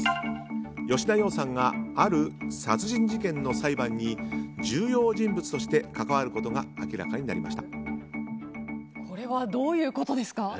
吉田羊さんがある殺人事件の裁判に重要人物として関わることがこれはどういうことですか。